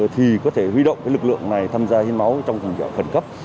thì có thể huy động lực lượng này tham gia hiến máu trong phần cấp